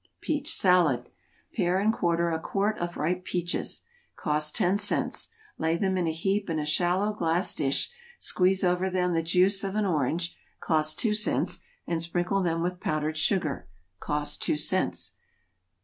=Peach Salad.= Pare and quarter a quart of ripe peaches, (cost ten cents,) lay them in a heap in a shallow glass dish; squeeze over them the juice of an orange, (cost two cents,) and sprinkle them with powdered sugar, (cost two cents.)